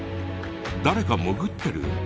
誰か潜ってる？